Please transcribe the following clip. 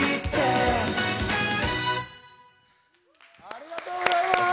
ありがとうございます！